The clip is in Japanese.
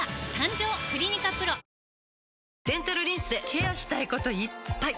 デンタルリンスでケアしたいこといっぱい！